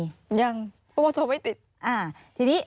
เพราะว่าโทรไม่ติด